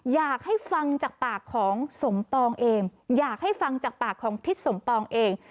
อยากให้ฟังจากปากของสมปองเองอยากให้ฟังจากปากของทิศสมปองเอง